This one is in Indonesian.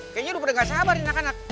kayaknya udah gak sabar nih anak anak